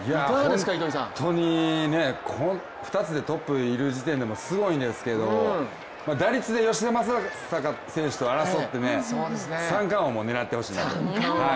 本当に２つでトップにいる時点でもすごいんですけど、打率で吉田正尚選手と争って三冠王も狙ってほしいなと。